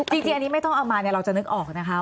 จริงอันนี้ไม่ต้องเอามาเนี่ยเราจะนึกออกนะคะ